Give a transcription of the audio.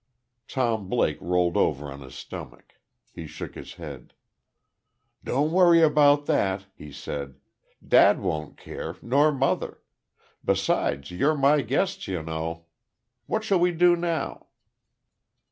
Tom Blake rolled over on his stomach. He shook his head. "Don't worry about that," he said. "Dad won't care, nor mother.... Besides, you're my guests, you know.... What shall we do now?"